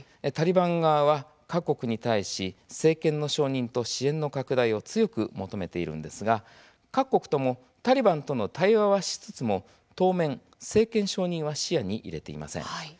タリバン側は各国に対し政権の承認と支援の拡大を強く求めているんですが各国ともタリバンとの対話をしつつも、当面、政権承認は視野に入れていません。